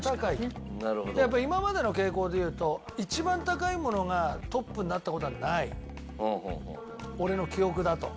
やっぱり今までの傾向でいうと一番高いものがトップになった事はない俺の記憶だと。